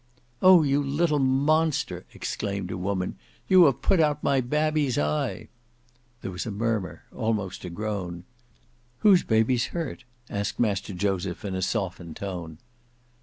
"Oh! you little monster!" exclaimed a woman, "you have put out my babby's eye." There was a murmur; almost a groan. "Whose baby's hurt?" asked Master Joseph in a softened tone.